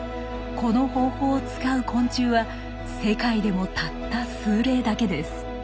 この方法を使う昆虫は世界でもたった数例だけです。